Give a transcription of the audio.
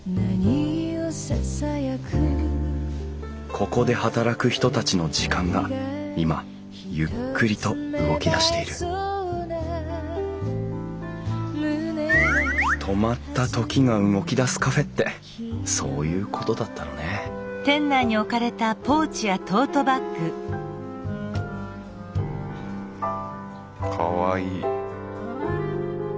ここで働く人たちの時間が今ゆっくりと動き出している「止まった時が動き出すカフェ」ってそういうことだったのねかわいい。